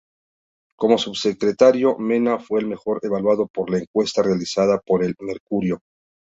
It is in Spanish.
Como subsecretario Mena fue el mejor evaluado por una encuesta realizada por El Mercurio.